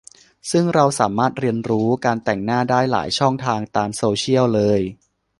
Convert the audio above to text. ซึ่งเราสามารถเรียนรู้การแต่งหน้าได้หลายช่องทางตามโซเชียลเลย